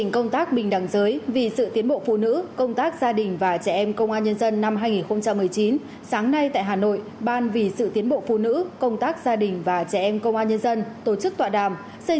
công tác gia đình và trẻ em công an nhân dân chủ trì buổi tọa đàm